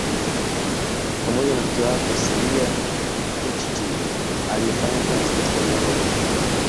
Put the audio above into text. pamoja na mke wake Celia Cuccittini aliefanya kazi katika viwanda vya sumaku